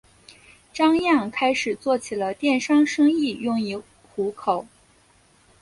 张漾开始做起了电商生意用以糊口。